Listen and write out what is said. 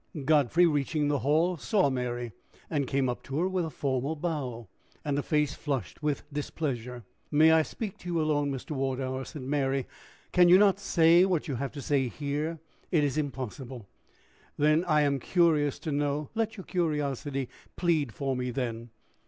Godfrey, reaching the hall, saw Mary, and came up to her with a formal bow, and a face flushed with displeasure. "May I speak to you alone, Mr. Wardour?" said Mary. "Can you not say what you have to say here?" "It is impossible." "Then I am curious to know " "Let your curiosity plead for me, then."